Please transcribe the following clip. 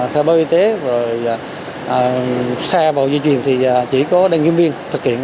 theo báo y tế rồi xe vào di chuyển thì chỉ có đăng kiểm viên thực hiện